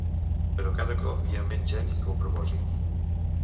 Però cada cop hi ha menys gent que ho proposi.